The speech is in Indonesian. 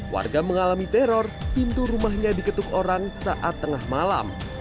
warga mengalami teror pintu rumahnya diketuk orang saat tengah malam